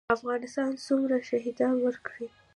افغانستان څومره شهیدان ورکړي؟